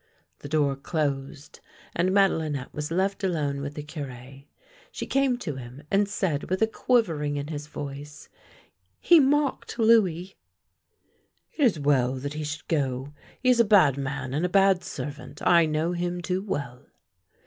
The door closed, and Madelinette was left alone with the Cure. She came to him and said with a quiv ering in her voice: " He mocked Louis! "" It is well that he should go. He is a bad man and a bad servant. I know him too well."